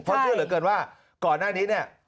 เพราะเชื่อเหลือเกินว่าก่อนหน้านี้เนี่ย